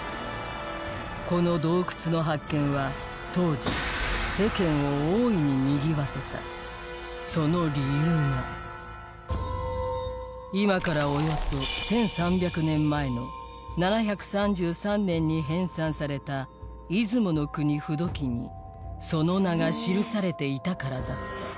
この洞窟の発見は当時世間を多いににぎわせたその理由が今からおよそ１３００年前の７３３年に編纂された「出雲國風土記」にその名が記されていたからだった